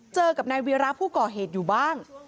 เจอกับนายวีระผู้ก่อเหตุอยู่บ้าง